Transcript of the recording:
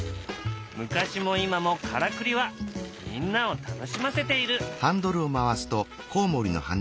昔も今もからくりはみんなを楽しませている。